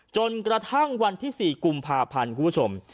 จนกระทั่งวันที่๔กุมภาพันธ์คุณผู้ชม